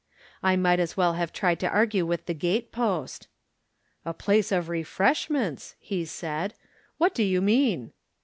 I might as well have tried to argue with the gate post. "A place of refreshments!" he said, "what do you mean